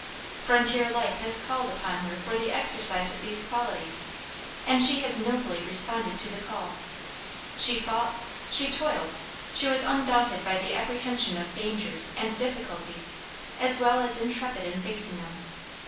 Frontier life has called, upon her for the exercise of these qualities, and she has nobly responded to the call. She fought; she toiled; she was undaunted by the apprehension of dangers and difficulties as well as intrepid in facing them.